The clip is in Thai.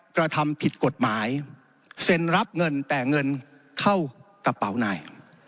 กระทำผิดกฎหมายเซ็นรับเงินแต่เงินเข้ากระเป๋านาย